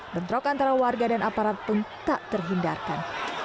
bentrok antara warga dan aparat pun tak terhindarkan